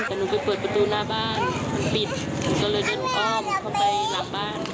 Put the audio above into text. แต่หนูไปเปิดประตูหน้าบ้านปิดก็เลยเดินอ้อมเข้าไปหลังบ้าน